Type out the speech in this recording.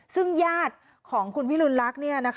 ซึ่งญาติของคุณพิรุณลักษณ์